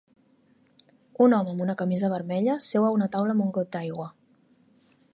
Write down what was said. Un home amb una camisa vermella seu a una taula amb un got d'aigua.